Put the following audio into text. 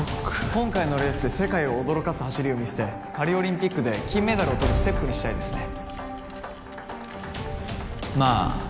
今回のレースで世界を驚かす走りを見せてパリオリンピックで金メダルをとるステップにしたいですね